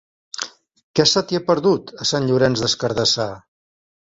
Què se t'hi ha perdut, a Sant Llorenç des Cardassar?